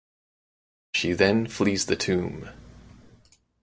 She then flees the tomb.